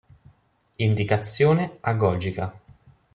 Indicazione agogica.